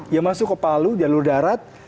yang masuk ke palu jalur darat